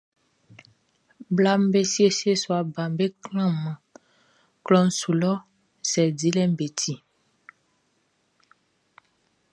Blaʼm be siesie sua baʼm be klanman klɔʼn su lɔ cɛn dilɛʼm be ti.